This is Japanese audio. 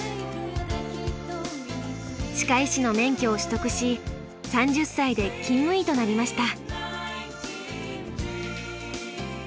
歯科医師の免許を取得し３０歳で勤務医となりました。